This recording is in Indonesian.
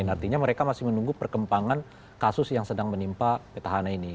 artinya mereka masih menunggu perkembangan kasus yang sedang menimpa petahana ini